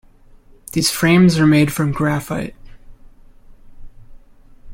These frames are made from graphite.